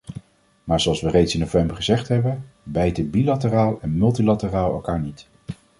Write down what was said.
Maar zoals we reeds in november gezegd hebben, bijten bilateraal en multilateraal elkaar niet.